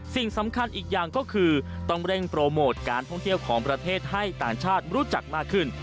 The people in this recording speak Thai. สิ่งสำคัญอีกอย่างก็คือต้องเร่งโปรโมทการท่องเที่ยวของประเทศให้ต่างชาติรู้จักมากขึ้น